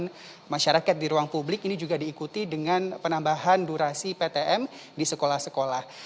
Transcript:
pelayanan masyarakat di ruang publik ini juga diikuti dengan penambahan durasi ptm di sekolah sekolah